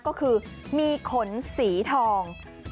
ก็คือมีขนสีทอง